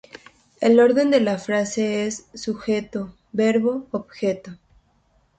El orden de la frase es sujeto, verbo, objeto.